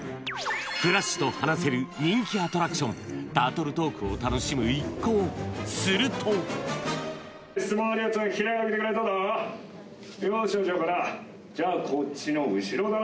クラッシュと話せる人気アトラクションタートル・トークを楽しむ一行するとどうだ？